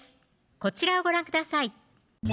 こちらをご覧ください